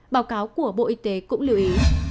báo cáo của bộ y tế cũng lưu ý